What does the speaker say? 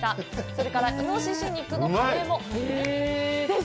それからイノシシ肉のカレーも。